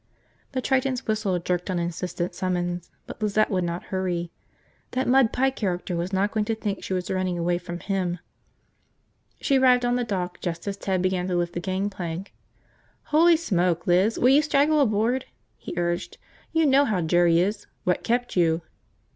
The Triton's whistle jerked an insistent summons, but Lizette would not hurry. That mud pie character was not going to think she was running away from him. She arrived on the dock just as Ted began to lift the gangplank. "Holy smoke, Liz, will you straggle aboard!" he urged. "You know how Jerry is! What kept you?"